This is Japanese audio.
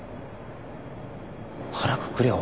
腹くくれよ。